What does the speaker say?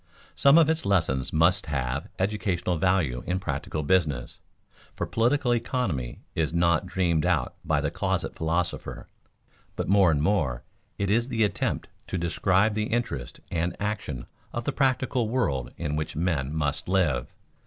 Some of its lessons must have educational value in practical business, for political economy is not dreamed out by the closet philosopher, but more and more it is the attempt to describe the interests and the action of the practical world in which men must live.